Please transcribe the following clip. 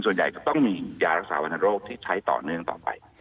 ส่วนใหญ่ก็ต้องมียารักษาวันโรคร่วงที่ใช้ต่อเนื่องต่อไป